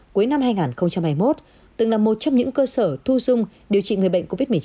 cuối năm hai nghìn hai mươi một từng là một trong những cơ sở thu dung điều trị người bệnh covid một mươi chín